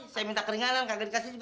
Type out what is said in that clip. saya minta keringanan nggak dikasih